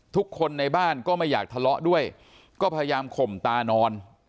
ทุกคนในบ้านก็ไม่อยากทะเลาะด้วยก็พยายามข่มตานอน